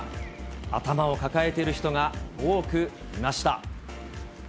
頭を抱えている人が多くいました。